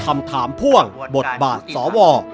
คำถามพ่วงบทบาทสว